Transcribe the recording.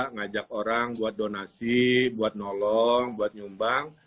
ngajak orang buat donasi buat nolong buat nyumbang